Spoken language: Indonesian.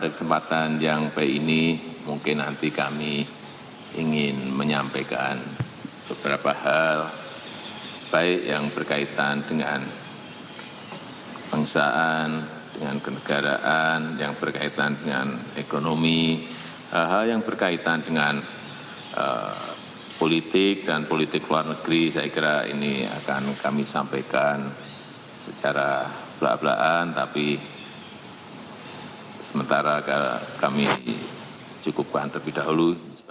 kami sampaikan secara belak belakan tapi sementara kami cukup bahan terlebih dahulu